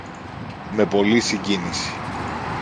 με πολλή συγκίνηση